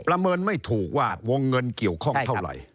ประเมินไม่ถูกว่าวงเงินเกี่ยวข้องเท่าไหร่